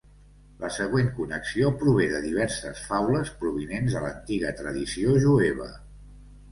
La següent connexió prové de diverses faules provinents de l'antiga tradició jueva.